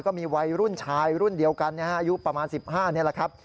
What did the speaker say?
ก็มีวัยรุ่นชายรุ่นเดียวกันอายุประมาณ๑๕นี่แหละครับ